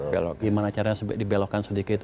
gimana caranya dibelokkan sedikit